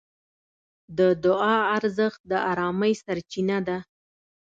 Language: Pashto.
د دعا ارزښت د ارامۍ سرچینه ده.